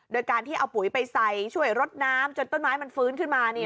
โดยการที่เอาปุ๋ยไปใส่ช่วยรดน้ำจนต้นไม้มันฟื้นขึ้นมา